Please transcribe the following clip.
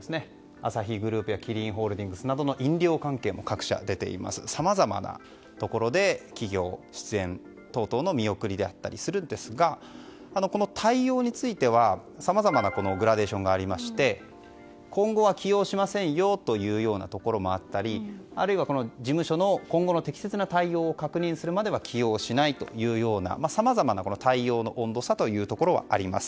アサヒグループやキリンホールディングスなどの飲料関係も各社、出ていますがさまざまなところで起用、出演等々の見送りだったりするんですがこの対応については、さまざまなグラデーションがありまして今後は起用しませんよというところもあったりあるいは、事務所の今後の適切な対応を確認するまでは起用しないといったさまざまな対応の温度差あります。